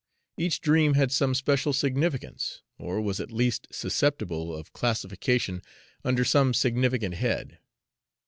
Each dream had some special significance, or was at least susceptible of classification under some significant head.